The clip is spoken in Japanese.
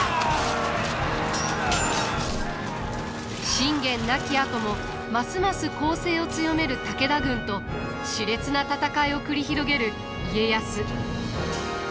信玄亡きあともますます攻勢を強める武田軍としれつな戦いを繰り広げる家康。